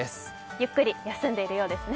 ゆっくり休んでいるようですね。